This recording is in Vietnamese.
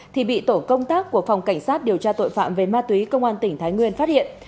thì bị tổ công tác của phòng cảnh sát điều tra tội phạm về ma túy công an tỉnh thái nguyên phát hiện